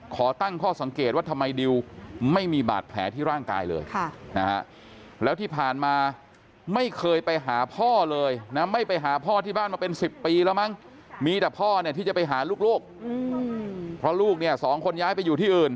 ขอตั้งห้อสังเกตว่าทำไมดิลล์ไม่มีบาดแผลที่ร่างกายเลย